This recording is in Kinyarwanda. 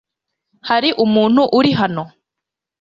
hari umuntu uri hano?'